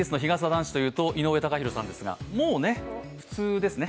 男子というと井上貴博さんですが、もうね、普通ですね。